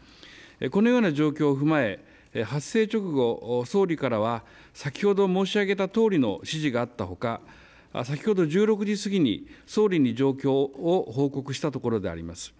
このような状況を踏まえ発生直後、総理からは先ほど申し上げたとおりの指示があったほか、先ほど１６時過ぎに総理に状況を報告したところであります。